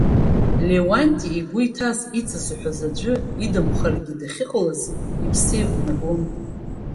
Леуанти игәы иҭаз ицызҳәоз аӡәы идамхаргьы дахьыҟалаз иԥсы еивнагон.